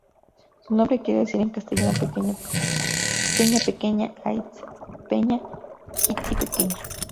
Su nombre quiere decir en castellano "peña pequeña" "aitz"=peña "txiki"=pequeña.